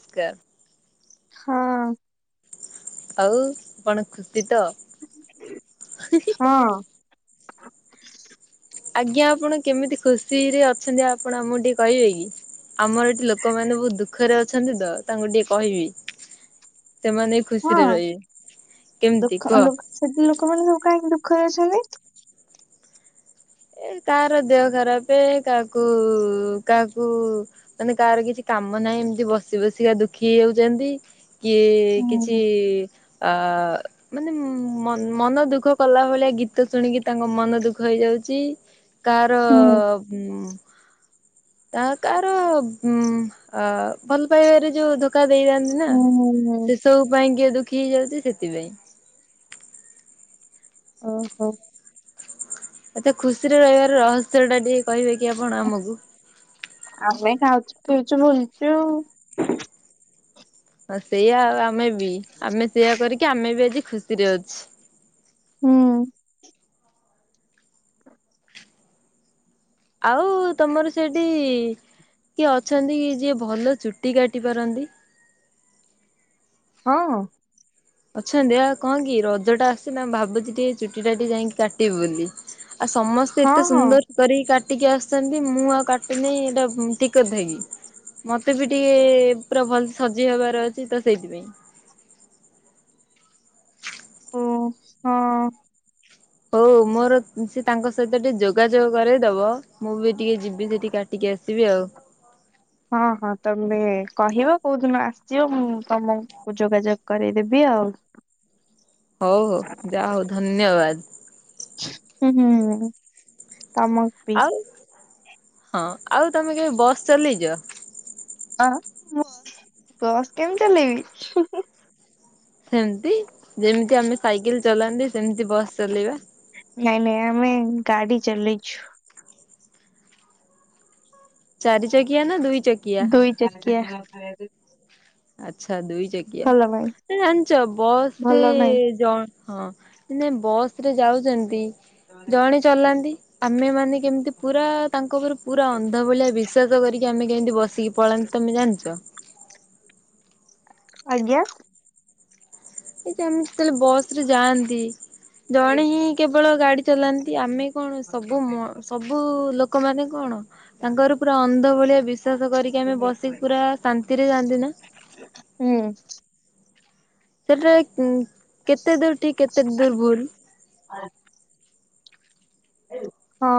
ସ୍କାର ହଁ। ଆଉ କଣ ଖୁସି ତ? ହଁ। ଆଜ୍ଞା ଆପଣ କେମିତି ଖୁସିରେ ଅଛନ୍ତି ଆପଣ ଆମକୁ ଟିକେ କହିବେ କି? ଆମର ଏଠି ଲୋକମାନୋ ବହୁତ ଦୁଃଖରେ ଅଛନ୍ତି ତ ତାଙ୍କୁ ଟିକେ କହିବି। ସେମାନେ ବି ହଁ ଖୁସିରେ ରହିବେ କେମିତି ଦୁଃଖ କୁହ। ଲୋକ ସେଠି ଲୋକମାନେ ସବୁ କାହିଁକି ଦୁଃଖରେ ଅଛନ୍ତି? ଏ କାହାର ଦେହ ଖରାପେ କାହାକୁ କାହାକୁ ମାନେ କାହାର କିଛି କାମ ନାହିଁ ଏମିତି ବସି ବସିକା ଦୁଃଖୀ ହେଇଯାଉଚନ୍ତି। କିଏ କିଛି ହୁଁ ଅ ମାନେ ମନ ଦୁଃଖ କଲା ଭଳିଆ ଗୀତ ଶୁଣିକି ତାଙ୍କ ମନ ଦୁଃ ଦୁଃଖ ହେଇଯାଉଛି କାହାର ହୁଁ ଉଁ ତ କାହାର ଉଁ ଭଲ ପାଇବାରେ ଯୋଉ ଧୋକା ଦେଇଥାନ୍ତି। ନା ହୁଁ ହୁଁ ସେ ସବୁ ପାଇଁ କିଏ ଦୁଃଖୀ ହେଇଯାଉଛି ସେଥିପାଇଁ। ଓହୋ। ଏତେ ଖୁସିରେ ରହିବାର ରହସ୍ୟ ଟା ଟିକେ କହିବେ କି ଆପଣ ଆମକୁ। ଆମେ ଖାଉଛୁ ପିଉଛୁ ବୁଲୁଛୁ। ହଁ ସେଇଆ ଆଉ ଆମେ ବି ଆମେ ସେଇଆ କରିକି ଆମେ ବି ଆଜି ଖୁସିରେ ଅଛୁ। ହୁଁ। ଆଉ ତମର ସେଠି କିଏ ଅଛନ୍ତି କି ଯିଏ ଭଲ ଚୁଟି କାଟି ପାରନ୍ତି? ହଁ। ଅଛନ୍ତି ପା କଣ କି ରଜ ଟା ଆସୁଚି ନା ମୁଁ ଭାବୁଛି ଟିକେ ଚୁଟି ଟା ଟିକେ ଯାଇକି କାଟିବି ବୋଲି। ଆଉ ସମସ୍ତେ ହଁ ଏତେ ହଁ ସୁନ୍ଦର କରିକି କାଟିକି ଆସିୁଛନ୍ତି ମୁଁ ଆଉ କାଟିନି ଏଇଟା ଠିକ୍ କଥାକି। ମତେ ବି ଟିକେ ପୁରା ଭଲ ସଜ ହବାର ଅଛି ତ ସେଇଥିପାଇଁ। ଓ ହଁ। ହଉ ହଉ ମୋର ସେ ତାଙ୍କ ସହିତ ଟିକେ ଯୋଗାଯୋଗ କରେଇଦବ। ମୁଁ ବି ଟିକେ ଯିବି ସେଠି କାଟିକି ଆସିବି ଆଉ। ହଁ ହଁ ତମେ କହିବ କୋଉ ଦିନ ଆସିବ ମୁ ତମକୁ କୁ ଯୋଗାଯୋଗ କରେଇଦେବି ଆଉ। ହଉ ହଉ ଯା ହଉ ଧନ୍ୟବାଦ। ହୁଁ-ହୁଁ-ହୁଁ ତମ ଆଉ ହଁ ଆଉ ତମେ କେବେ ବସ୍ ଚଲେଇଛ? ଅ ମୁଁ ବସ୍ କେମିତି ଚଲେଇବି? ସେମିତି ଯେମିତି ଆମେ ସାଇକେଲ ଚଲାନ୍ତି ସେମିତି ବସ୍ ଚଲେଇବା। ନାଇଁ ନାଇଁ ଆମେ ଗାଡି ଚଲେଇଛୁ। ଚାରି ଚକିଆ ନା ଦୁଇ ଚକି ଦୁଇ ଚକିଆ। ଆଚ୍ଛା ଦୁଇ ଚକିଆ ଭଲ ନାହିଁ ଜାଣିଛ ବସ ରେ ଭଲ ନାହିଁ ଜଣ ହଁ ନା ବସ ରେ ଯାଉଛନ୍ତି ଜଣେ ଚଲାନ୍ତି। ଆମେ ମାନେ କେମତି ପୁରା ତାଙ୍କ ଉପରେ ପୁରା ଅନ୍ଧ ଭଳିଆ ବିଶ୍ୱାସ କରିକି ଆମେ କେମିତି ବସିକି ପଳାନ୍ତି ତମେ ଜାଣିଛ? ଆଜ୍ଞା। ସେ ଜଣେ ତ ଆମେ ଯେତେବେଳେ ବସ ରେ ଯାଆନ୍ତି ଜଣେ ହିଁ କେବଳ ଗାଡି ଚଲାନ୍ତି ଆମେ କଣ ସବୁ ମ ସବୁ ଲୋକ ମାନ କଣ ତାଙ୍କର ପୁରା ଅନ୍ଧ ଭଳିଆ ବିଷ ଶ୍ଵାସ କରିକି ଆମେ ବସିକି ପୁରା ଶାନ୍ତିରେ ଯାଆନ୍ତି ନା। ହୁଁ। ସେଇଟା କେତେ ଦୂର ଠିକ୍ କେତେ ଦୂର ଭୁଲ୍। ହଁ।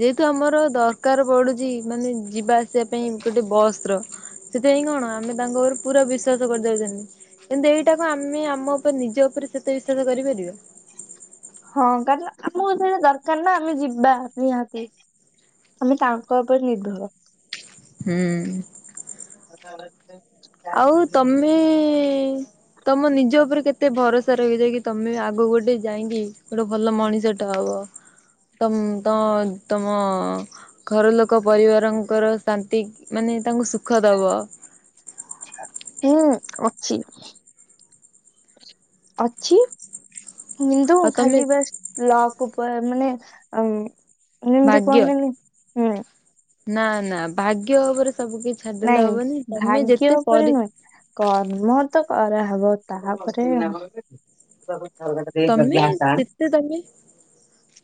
ଯେହେତୁ ଆମର ଦରକାର ପଡୁଛି ମାନେ ଯିବା ଆସିବା ପାଇଁ ଗୋଟେ ବସର। ସେଥିପାଇଁ କଣ ଆମେ ତାଙ୍କ ଉପରେ ପୁରା ବିଶ୍ଵାସ କରିଯାଉଛନ୍ତି। କିନ୍ତୁ ଏଇଟା କଣ ଆମେ ଆମ ଉପରେ ନିଜ ଉପରେ ସେତେ ବିଶ୍ୱାସ କରିପାରିବା। ହଁ କାରଣ ଆପଣଙ୍କୁ ସେଇଟା ଦରକାର ନା ଆମେ ଯିବା ନିହାତି। ଆମେ ତାଙ୍କ ଉପରେ ନିର୍ଭର। ହୁଁ। [unintelligible] ଆଉ ତମେ ତମ ନିଜ ଉପରେ କେତେ ଭରସା ରଖିଛ କି ତମେ ଆଗକୁ ଗୋଟେ ଯାଇକି ଗୋଟେ ଭଲ ମଣିଷ ଟେ ହବ? ତମ୍ ତ ତମ ଘର ଲୋକ ପରିବାରଙ୍କର ଶାନ୍ତି ମାନେ ତାଙ୍କୁ ସୁଖ ଦବ। ହୁଁ ଅଛି। ଅଛି କିନ୍ତୁ ଆଉ ତମେ ଖାଲି ବାସ୍ ଲକ୍ ଉପରେ ମାନେ ଉଁ ଜେମ୍ ଭାଗ୍ୟ କୁହନ୍ତିନି ହୁଁ। ନା ନା ଭାଗ୍ୟ ଉପରେ ସବୁ କିଛି ଛାଡିଦେଲେ ନାଇଁ ହବନି ତମେ ଭାଗ୍ୟ ଯେତେ ଉପରେ ପରି ନୁହେଁ କର୍ମ ତ କରାହେବ ତାପରେ [inaudible] ତମେ ଯେତେ ତମେ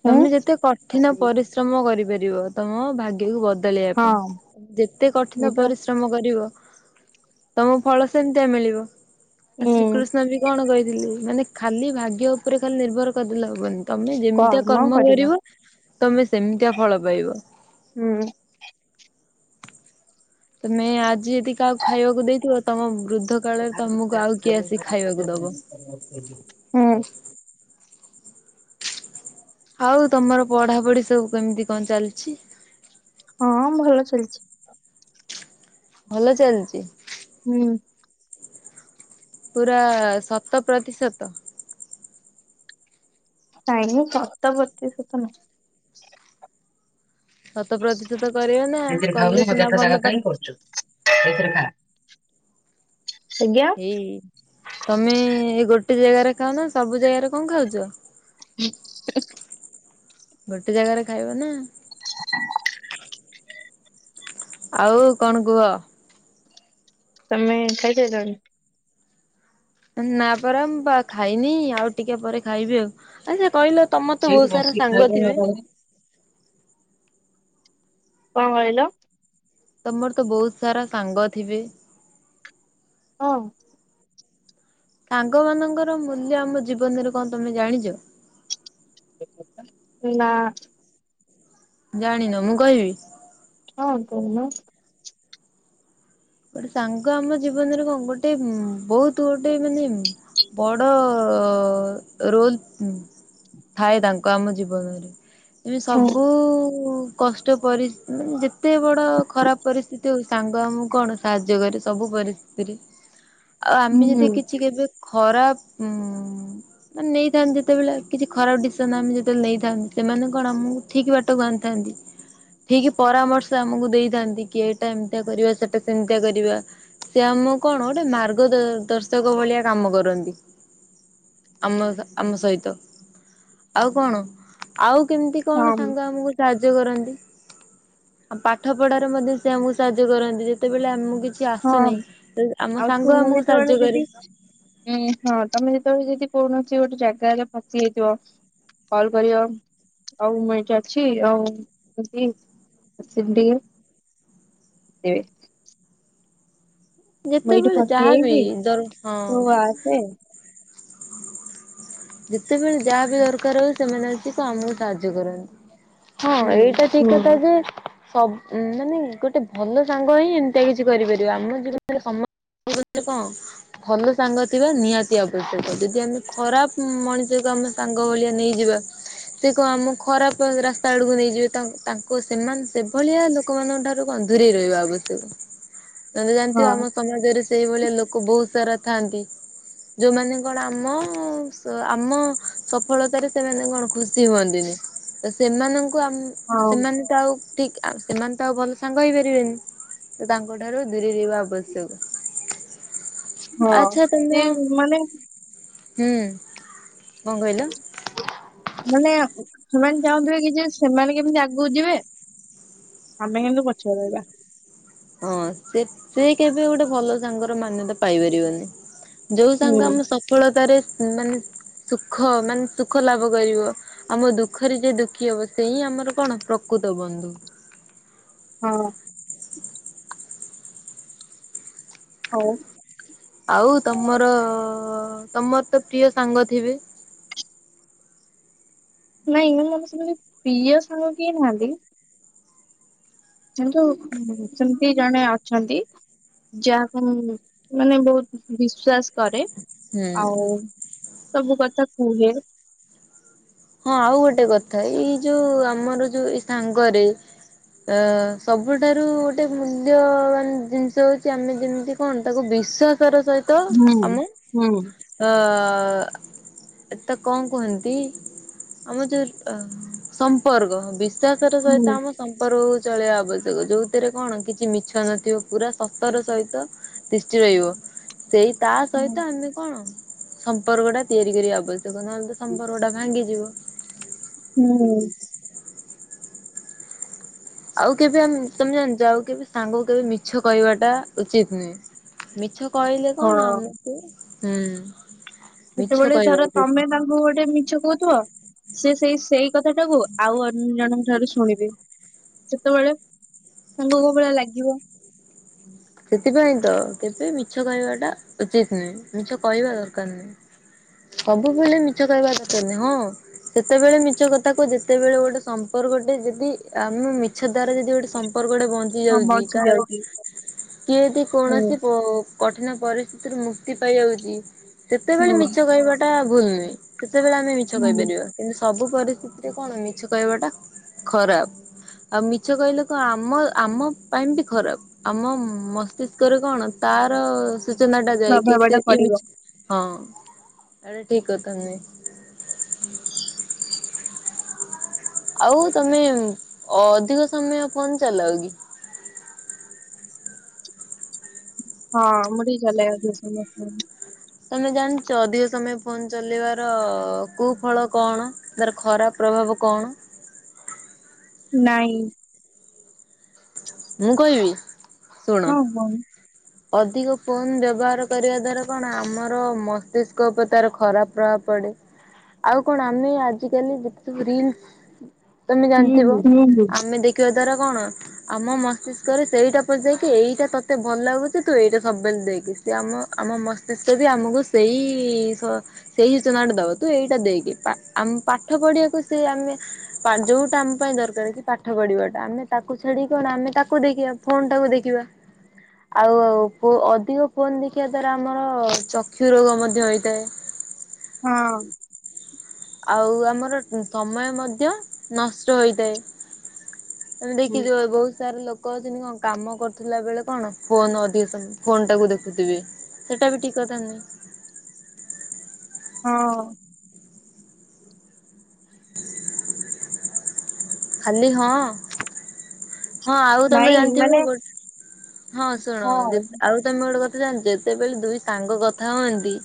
ତମେ ଯେତେ କଠିନ ପରିଶ୍ର ଶ୍ରମ କରିପାରିବ ତମ ଭାଗ୍ୟକୁ ବଦଳେଇବା ହଁ ପାଇଁ ଯେତେ କଠିନ ଏଇବା ପରିଶ୍ର ଶ୍ରମ କରିବ ତମ ଫଳ ସେମିତିଆ ମିଳିବ ଆ ଉଁ ଶ୍ରୀକୃଷ୍ଣ କୃଷ୍ଣ ବି କଣ କହିଥିଲେ ମାନେ ଖାଲି ଭାଗ୍ୟ ଉପରେ ଖାଲି ନିର୍ଭର କରିଦେଲେ ହବନି। ତମେ ଯେମିତିଆ କର୍ମ କରିବ ତମେ ସେମିତିଆ ଫଳ ପାଇବ। ହୁଁ। ତମେ ଆଜି ଯେଦି କାହାକୁ ଖାଇବାକୁ ଦେଇଥିବ ତମ ବୃଦ୍ଧ କାଳରେ ତମକୁ ଆଉ କିଏ ଆସି ଖାଇବାକୁ ଦବ। ହୁଁ। ହଉ ତମର ପଢ଼ାପଢ଼ି ସବୁ କେମିତି କଣ ଚାଲିଛି? ହଁ ଭଲ ଚାଲିଛି। ଭଲ ଚାଲିଛି? ହୁଁ। ପୁରା ଶତ ପ୍ରତିଶତ। ନାଇଁ ନାଇଁ ଶତ ପ୍ରତିଶତ ନୁହଁ। ଶତ ପ୍ରତିଶତ କରିବ ନା ସେଥିରେ କଲେ ଖାଉନୁ ସିନା ହଜାର ଟା ଭଲ ଜାଗା ପାଠ କାଇଁ କରୁଛୁ? ସେଇଥିରେ ଖା ଆଜ୍ଞା। ଏଇ ତମେ ଏ ଗୋଟେ ଜାଗାରେ ଖାଉନ ସବୁ ଜାଗାରେ କଣ ଖାଉଛ? ହୁଁ ହୁଁ ହୁଁ। ଗୋଟେ ଜାଗାରେ ଖାଇବ ନା। ଆଉ କଣ କୁହ? ତମେ ଖାଇ ସାରିଲଣି? ନାପରା ମୁ ବା ଖାଇନି ଆଉ ଟିକେ ପରେ ଖାଇବି ଆଉ ଆଚ୍ଛା କହିଲ ତମର ତ ବହୁତ ସାରା ସାଙ୍ଗ ଥିବେ? କଣ କହିଲ? ତମର ତ ବହୁତ ସାରା ସାଙ୍ଗ ଥିବେ? ହଁ। ସାଙ୍ଗ ମାନଙ୍କର ମୂଲ୍ୟ ଆମ ଜୀବନରେ କଣ ତମେ ଜାଣିଛ? ନା। ଜାଣିନ ମୁଁ କହିବି? ହଁ କହୁନ। ଗୋଟେ ସାଙ୍ଗ ଆମ ଜୀବନରେ କନ୍ ଗୋଟେ ଉଁ ବହୁତ ଗୋଟେ ମାନେ ଉଁ ବଡ଼ ରୋଲ୍ ଥାଏ ତାଙ୍କୁ ଆମ ଜୀବନରେ ଏମିତି ହଁ ସବୁ କଷ୍ଟ ପରି ଯେତେ ବଡ ଖରାପ ପରିସ୍ଥିତି ହଉ ସାଙ୍ଗ ଆମ କଣ ସାହାଯ୍ୟ କରେ ସବୁ ପରିସ୍ଥିତିରେ ଆଉ ଆମେ ହୁଁ ଯଦି କି କିଛି କେବେ ଖରାପ ଉଁ ମାନେ ନେଇଯାଆନ୍ତି ଯେତେବେଳେ କିଛି ଖରାପ ଡିସିସନ ଆମେ ଯେତେବେଳେ ନେଇଥାନ୍ତି ସେମାନେ କଣ ଆମକୁ ଠିକି ବାଟକୁ ଆଣିଥାନ୍ତି ଠିକି ପରାମର୍ଶ ଆମକୁ ଦେଇଥାନ୍ତି କି ଏଇଟା ଏମିତିଆ କରିବା ସେଇଟା ସେମିତିଆ କରିବା। ସେ ଆମକୁ କଣ ଗୋଟେ ମାର୍ଗ ଦ ଦର୍ଶକ ଭଳିଆ କାମ କରନ୍ତି। ଆମ ଆମ ସହିତ ଆଉ କଣ ଆଉ କେମିତି କଣ ହଁ ସାଙ୍ଗ ଆମକୁ ସାହାଯ୍ୟ କରନ୍ତି ଆଉ ପାଠ ପଢାରେ ମଧ୍ୟ ସେ ଆମକୁ ସାହାଯ୍ୟ କରନ୍ତି ଯେତେବେଳେ ଆମକୁ କିଛି କିଛି ଆସୁନି ହଁ ତ ଆମ ଆଉ ସାଙ୍ଗ ତୁମେ ଆମକୁ ଯେତେବେଳେ ସାହାଯ୍ୟ ଯଦି କରେ। ଉଁ ହଁ ତମେ ଯେତେବେଳେ ଯଦି କୌଣସି ଗୋଟେ ଜାଗାରେ ଫସିଯାଇଥିବ କଲ କରିବ ଆଉ ମୁଁ ଏଠି ଅଛି ଆଉ ଖୁସି ଡିବେ [unintelligible] ଏଇଠି ଯେତେବେଳେ ଫସି ଯାହାବି ଯାଇଛି ଦର ହଁ। ତୁ ଆସେ ଯେତେବେଳେ ଯାହା ବି ଦରକାର ହଉ ସେମାନେ ଆସିକି କାମକୁ ସାହାଯ୍ୟ କରନ୍ତି ହଁ ହୁଁ ଏଇଟା ସେଇ କଥା ଯେ ସବ ମାନେ ଗୋଟେ ଭଲ ସାଙ୍ଗ ହିଁ ଏମିତିଆ କିଛି କରିପାରିବା ଆମ ଜିଲ୍ ସମ କଣ ଭଲ ସାଙ୍ଗ ଥିବା ନିହାତି ଆବଶ୍ୟକ। ଯଦି ଆମେ ଖରାପ ମଣିଷକୁ ଆମ ସାଙ୍ଗ ଭଳିଆ ନେଇଯିବା ସେ କଣ ଆମ ଖରାପ ରାସ୍ତା ଆଡକୁ ନେଇଯିବେ ତା ତାଙ୍କ ସେମାନେ ସେଭଳିଆ ଲୋକ ଲୋକମାନଙ୍କ ଠାରୁ କଁ ଦୁରେଇ ରହିବା ଆବଶ୍ୟକ। ତେ ଜାଣିଥିବ ଆମ ହଁ ସମାଜରେ ସେଇଭଳିଆ ଲୋକ ବହୁତୁ ସାରା ଥାଆନ୍ତି ଯୋଉମାନେ କଣ ଆମ ଆମ ସଫଳତାରେ ସେମାନେ କଣ ଖୁସି ହୁଅନ୍ତିନି। ତ ସେମାନଙ୍କୁ ଆମ ହଁ ସେମାନେ ତ ଆଉ ଠିକି ସେମାନେ ତ ଆଉ ଭଲ ସାଙ୍ଗ ହେଇପାରିବେନି। ତ ତାଙ୍କ ଠାରୁ ଦୂରେଇ ରହିବା ଆବଶ୍ୟକ। ହଁ ଆଚ୍ଛା ତମ ସେ ମାନେ ହୁଁ କଣ କହିଲ? ମାନେ ସେମାନେ ଚାହୁଁଥିବେ କି ଯେ ସେମାନେ କେମିତି ଆଗକୁ ଯିବେ। ଆମେ କିନ୍ତୁ ପଛରେ ରହିବା। ହଁ ସେ ସେ କେବେ ଗୋଟେ ଭଲ ସାଙ୍ଗର ମାନ୍ୟତା ପାଇପାରିବନି। ଯୋଉ ସାଙ୍ଗ ହୁଁ ଆମ ସଫଳତାରେ ମାନେ ସୁଖ ମାନେ ସୁଖ ଲାଭ କରିବ ଆମ ଦୁଃଖରେ ଯ ଦୁଃଖୀ ହବ ସେ ହିଁ ଆମର କଣ ପ୍ରକୃତ ବନ୍ଧୁ। ହଁ। ହଉ। ଆଉ ତମର ତମର ତ ପ୍ରିୟ ସାଙ୍ଗ ଥିବେ? ନାଇଁ ମାନେ [unintelligible] ସେତି ପ୍ରିୟ ସାଙ୍ଗ କିଏ ନାହାନ୍ତି। ଚିନ୍ତୁ ସେମିତି ଜଣେ ଅଛନ୍ତି। ଯାହାକୁ ମାନେ ବହୁତୁ ବିଶ୍ଵାସ କରେ। ହୁଁ ଆଉ ସବୁ କଥା କୁହେ। ହଁ ଆଉ ଗୋଟେ କଥା ଏଇ ଯୋଉ ଆମର ଯୋଉ ଏଇ ସାଙ୍ଗରେ ଅ ସବୁଠାରୁ ଗୋଟେ ମୂଲ୍ୟବାନ ଜିନିଷ ହଉଚି ଆମେ ଯେମିତି କଣ ତାକୁ ବିଶ୍ଵାସର ସହିତ ହୁଁ ତ ଆମେ ହୁଁ। ତ କଣ କୁହନ୍ତି? ଆମ ଯୋଉ ଅ ସମ୍ପର୍କ ବିଶ୍ୱାସ ର ହୁଁ ସହିତ ଆମ ସମ୍ପର୍କକୁ ଚଳେଇବା ଆବଶ୍ୟକ ଯୋଉଥିରେ କଣ କିଛି ମିଛ ନଥିବ ପୁରା ସତର ସହିତ ତିଷ୍ଠି ରହିବ ସେଇ ତା ହୁଁ ସହିତ ଆମେ କଣ। ସମ୍ପର୍କ ଟା ତିଆରି କରିବା ଆବଶ୍ୟକ ନହେଲେ ତ ସମ୍ପର୍କ ଟା ଭାଙ୍ଗିଯିବ। ହୁଁ। ଆଉ କେବେ ଆମ ତମେ ଜାଣିଚ ଆଉ କେବେ ସାଙ୍ଗକୁ କେବେ ମିଛ କହିବାଟା ଉଚିତ୍ ନୁହେଁ। ମିଛ କହିଲେ କଣ ହଁ ଆମକୁ ହୁଁ ମିଛ ଯେତେବେଳେ କହିବା ଧର ଉଚିତ ତମେ ନୁହେଁ। ତାଙ୍କୁ ଗୋଟେ ମିଛ କହୁଥିବ ସେ ସେଇ ସେଇ କଥା ଟାକୁୁ ଆଉ ଅନ୍ୟ ଜଣଙ୍କ ଠାରୁ ଶୁଣିବେ। ସେତେବେଳେ ତାଙ୍କୁ କୋଉ ଭଳିଆ ଲାଗିବ। ସେଥିପାଇଁ ତ କେବେ ମିଛ କହିବାଟା ଉଚିତ୍ ନୁହେଁ ମିଛ କହିବା ଦରକାର ନୁହେଁ। ସବୁ ବେଳେ ମିଛ କହିବା ଦରକାର ନାହିଁ ହଁ। ସେତେବେଳେ ମିଛ କଥା କୁହ ଯେତେବେଳେ ଗୋଟେ ସମ୍ପର୍କଟେ ଯଦି ଆମେ ମି ଛ ଦ୍ୱାରା ଯଦି ଗୋଟେ ସମ୍ପର୍କ ଗୋଟେ ବଞ୍ଚି ହଁ ଯାଉଛି ବଞ୍ଚି କାହାର ଯାଉଛି। କିଏ ଯଦି ହୁଁ କୌଣସି କଠିନ ପରିସ୍ଥିତିରୁ ମୁକ୍ତି ପାଇଯାଉଛି। ସେତେବେଳେ ହୁଁ। ମିଛ କହିବାଟା ଭୁଲ୍ ନୁହେଁ ସେତେବେଳେ ଆମେ ମିଛ ହୁଁ କହିପାରିବା କିନ୍ତୁ ସବୁ ପରିସ୍ଥିତିରେ କଣ ମିଛ କହିବା ଟା ଖରାପ। ଆଉ ମିଛ କହିଲେ କଣ ଆମ ଆମ ପାଇଁ ବି ଖରାପ ଆମ ମସ୍ତିଷ୍କରେ କଣ ତାର ସୂଚନା ଟା ଯାଇକି ପ୍ରଭାବ ଏତେ ଟା ପଡିବ। ଏମିତି ହଁ ଏଟା ଠିକ୍ କଥା ନୁହେଁ। ଆଉ ତମେ ଅଧିକ ସମୟ ଫୋନ୍ ଚଲାଅ କି? ହଁ ମୁଁ ଟିକେ ଚଲାଏ ଅଧିକ ସମୟ ଫୋନ୍। ତମେ ଜାଣିଛ ଅଧିକ ସମୟ ଫୋନ୍ ଚଲେଇବାର କୁ ଫଳ କଣ? ତାର ଖରାପ ପ୍ରଭାବ କଣ? ନାଇଁ। ମୁଁ କହିବି ଶୁଣ। ହଁ ହଁ ଅଧିକ ଫୋନ୍ ବ୍ୟବହାର କରିବା ଦ୍ଵାରା କଣ ଆମର ମସ୍ତିଷ୍କ ଉପରେ ତାର ଖରାପ ପ୍ରଭାବ ପଡେ। ଆଉ କଣ ଆମେ ଆଜିକାଲି ଯେତେ ସବୁ ରିଲ୍ ତମେ ହୁଁ ଜାଣିଥିବ ହୁଁ ଆମେ ଦେଖିବା ଦ୍ୱାରା କଣ? ଆମ ମସ୍ତିଷ୍କରେ ସେଇଟା ପଶି ଯାଏକି ଏଇଟା ତତେ ଭଲ ଲାଗୁଛି ତୁ ଏଇଟା ସବୁବେଳେ ଦେଖେ। ସେ ଆମ ଆମ ମସ୍ତିଷ୍କ ବି ଆମକୁ ସେଇ ସ ସେଇ ସୂଚନା ଟା ଦବ ତୁ ଏଇଟା ଦେଇକି ଆମ ପାଠ ପଢିବାକୁ ସେ ଆମେ ଯୋଉଟା ଆମ ପାଇଁ ଦରକାର କି ପାଠ ପଢିବାଟା ଆମେ ତାକୁ ସେଠି କଣ ଆମେ ତାକୁ ଦେଖିବା ଫୋନ୍ ଟାକୁ ଦେଖିବା। ଆଉ ଅଧିକ ଫୋନ୍ ଦେଖିବା ଦ୍ଵାରା ଆମର ଚକ୍ଷୁ ରୋଗ ମଧ୍ୟ ହୋଇଥାଏ। ହଁ। ଆଉ ଆମର ସମୟ ମଧ୍ୟ ନଷ୍ଟ ହୋଇଥାଏ। ତମେ ଦେଖି ହୁଁ। ଥିବ ବହୁତ ସାରା ଲୋ କହଁନ୍ତିନି କଣ କାମ କରୁଥିଲା ବେଳେ କଣ ଫୋନ୍ଅଧିକ ସମ ଫୋନ୍ ଟାକୁ ଦେଖୁଥିବେ। ସେଟା ବି ଟିକ୍ କଥା ନୁହେଁ। ହଁ। ଖାଲି ହଁ। ହଁ ଆଉ ତମେ ନାଇଁ ଜାଣିଥିବ ମାନେ ଗୋ ହଁ ଶୁଣ ହଁ ଯେତେ ଆଉ ତମେ ଗୋଟେ କଥା ଜାଣିଚ ଯେତେବେଳେ ଦୁଇ ସାଙ୍ଗ କଥା ହୁଅନ୍ତି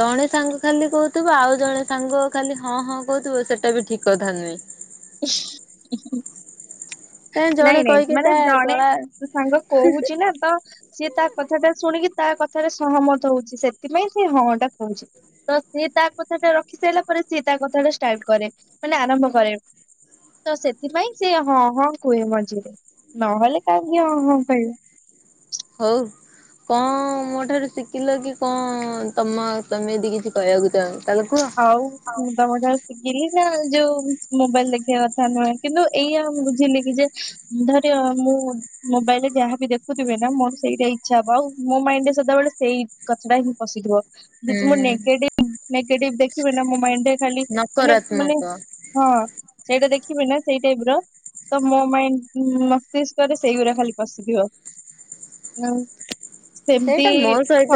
ଜଣେ ସାଙ୍ଗ ଖାଲି କହୁଥିବ ଆଉ ଜଣେ ସାଙ୍ଗ ଖାଲି ହଁ ହଁ କହୁଥିବ ସେଟା ବି ଠିକ କଥା ନୁହେଁ। ଇସ୍। କାଇଁ ଜଣେ ନାଇଁ ନାଇଁ କହିକି ମାନେ ତା ଜଣେ ଗଳା ସାଙ୍ଗ କହୁଚି ନା ତ ସିଏ ତା କଥା ଟା ଶୁଣିକି ତା କଥାରେ ସହମତ ହଉଚି ସେଥିପାଇଁ ସେ ହଁ ଟା କହୁଚି। ତ ସିଏ ତା କଥା ଟା ରଖି ସାଇଲା ପରେ ସିଏ ତା କଥା ଟା ଷ୍ଟାର୍ଟ କରେ ମାନେ ଆରମ୍ଭ କରେ। ତ ସେଥିପାଇଁ ସେ ହଁ ହଁ କୁହେ ମଝିରେ ନହେଲେ କାହିଁକି ହଁ ହଁ କହିବ। ହଉ। କଁ ମୋ ଠାରୁ ଶିଖିଲ କି କଁ ତମ ତମେ ଦି କିଛି କହିବାକୁ ଚାହଁ ତାହେଲେ କୁହ। ହଉ ମୁଁ ତମ ଠାରୁ କିଲି ନା ଯୋଉ ମୋବାଇଲ ଦେଖିବା କଥା ନୁହେଁ କିନ୍ତୁ ଏଇଆ ବୁଝିଲି କି ଯେ ଧରୀୟ ମୁଁ ମୋବାଇଲ ରେ ଯାହା ବି ଦେଖୁଥିବେ ନା ମୋର ସେଇଟା ଇଚ୍ଛା ହବ ଆଉ ମୋ ମାଇଣ୍ଡ ରେ ସଦାବେଳେ ସେଇ କଥାଟା ହିଁ ପସିଥିବ। ହୁଁ ଯେତେମୁଁ ନେଗେଟିଭ ନେଗେଟିଭ ଦେଖିବି ନା ମୋ ମାଇଣ୍ଡି ରେ ଖାଲି ମାନେ ମାନେ ନକାରାତ୍ମକ ହଁ ସେଇଟା ଦେଖିବି ନା ସେଇ ଟାଇପ ର ତ ମୋ ମାଇ ମସ୍ତିଷ୍କରେ ସେଇଗୁରା ଖାଲି ପଶିଥିବ। ହଁ। ସେଇଟା ମୋ ସହିତ